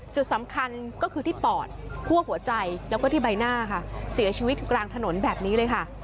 จุดสำคัญก็คือที่ปอดคั่วหัวใจแล้วก็ที่ใบหน้าค่ะเสียชีวิตกลางถนนแบบนี้เลยค่ะ